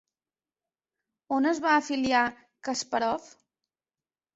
On es va afiliar Kaspàrov?